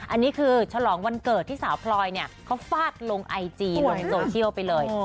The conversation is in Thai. อันนี้คือฉลองวันเกิดที่สาวพลอยเนี่ยเขาฟาดลงไอจีลงโซเชียลไปเลย